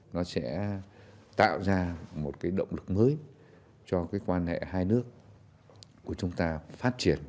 nó sẽ tạo ra một động lực mới cho quan hệ hai nước của chúng ta phát triển